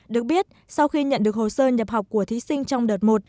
được biết sau khi nhận được hồ sơ nhập học của thí sinh trong đợt một